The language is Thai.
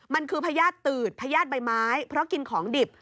มันคือพญาติตืดพญาติใบไม้เพราะกินของดิบ